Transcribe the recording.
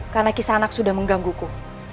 karena kaki sanak sudah menggangguku